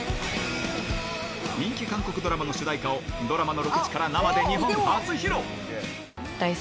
人気韓国ドラマの主題歌をドラマのロケ地から生で日本初披露！